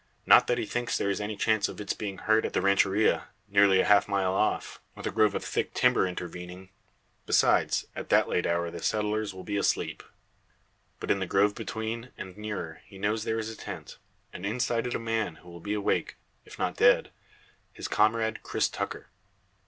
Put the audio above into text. Not that he thinks there is any chance of its being heard at the rancheria, nearly a half mile off, with a grove of thick timber intervening. Besides, at that late hour the settlers will be asleep. But in the grove between, and nearer, he knows there is a tent; and inside it a man who will be awake, if not dead his comrade, Cris Tucker.